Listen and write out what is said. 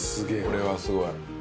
これはすごい。